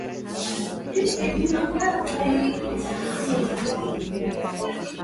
Walipishana na wajamhuri ambao kwa ujumla walimshinikiza Jackson.